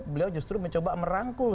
beliau justru mencoba merangkul